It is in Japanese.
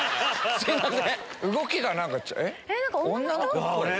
すいません！